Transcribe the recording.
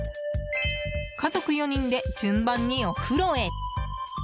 家族４人で順番にお風呂へ。